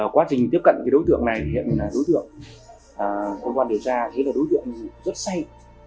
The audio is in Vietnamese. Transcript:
quá trình tiếp cận cái đối tượng này hiện là đối tượng cơ quan điều tra thấy là đối tượng rất say